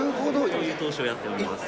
そういう投資をやっております。